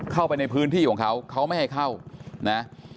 เข้าไปในพื้นที่ของเขาเขาไม่ให้เข้านะ